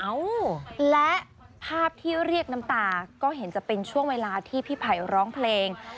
เอ้าและภาพที่เรียกน้ำตาก็เห็นจะเป็นช่วงเวลาที่พี่ไผ่ร้องเพลง